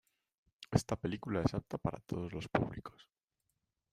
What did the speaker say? Esta película es apta para todos los públicos.